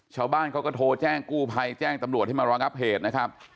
ชาวบ้านเขาก็โทรแจ้งกู้ภัยแจ้งตำรวจให้มารองับเหตุนะครับ